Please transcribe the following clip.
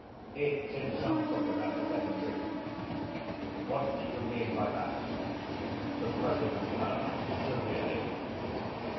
'... It's in some book about the peasantry." "What do you mean by that?" the President asked severely.